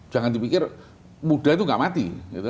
jangan dipikir muda itu nggak mati